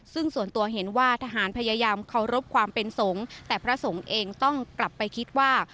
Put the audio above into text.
ซึ่งส่วนตัวเห็นว่าทหารพยายามเคารพความเป็นสงฆ์แต่พระสงฆ์เองต้องกลับไปคิดว่า